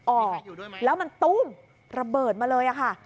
ออกแล้วมันตุ้มระเบิดมาเลยค่ะ